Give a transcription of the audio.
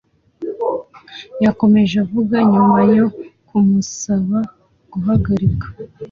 Yakomeje avuga nyuma yo kumusaba guhagarika.